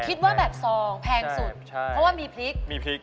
คิดว่าแบบสองแพงสุดเพราะว่ามีพริก